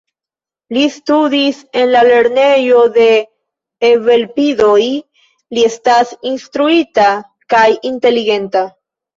Li studis en la lernejo de «Evelpidoj», li estas instruita kaj inteligenta.